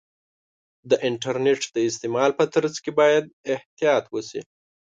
د انټرنیټ د استعمال په ترڅ کې باید احتیاط وشي.